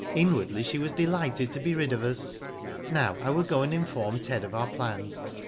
Inwardly she was delighted to be rid of us. Now I will go and inform Ted of our plans.